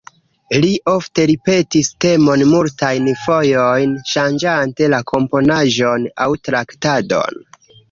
Li ofte ripetis temon multajn fojojn, ŝanĝante la komponaĵon aŭ traktadon.